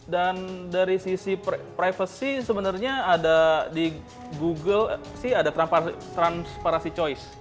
dan dari sisi privacy sebenarnya ada di google sih ada transparansi choice